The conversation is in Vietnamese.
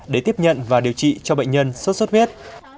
để tiếp nhận và điều trị cho bệnh nhân sốt xuất huyết